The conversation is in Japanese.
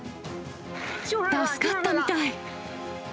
助かったみたい！